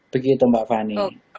begitu mbak fanny